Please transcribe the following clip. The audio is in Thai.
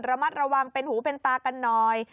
ระมัดระวังเป็นหูเป็นตากันหน่อย